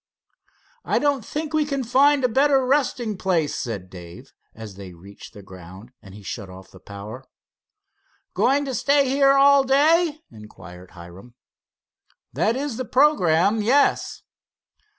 "I don't think we can find a better resting place," said Dave, as they reached the ground and he shut off the power. "Going to stay here all day?" inquired Hiram. "That is the programme, yes."